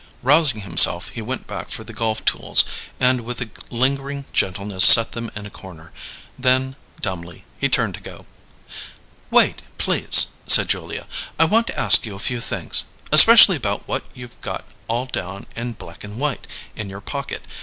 Rousing himself, he went back for the golf tools, and with a lingering gentleness set them in a corner. Then, dumbly, he turned to go. "Wait, please," said Julia. "I want to ask you a few things especially about what you've got 'all down in black and white' in your pocket.